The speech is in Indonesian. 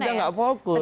tidak gak fokus